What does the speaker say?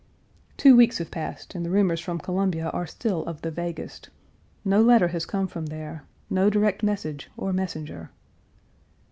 Two weeks have passed and the rumors from Columbia are still of the vaguest. No letter has come from there, no direct message, or messenger.